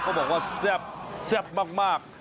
บอกว่าแซ่บมาก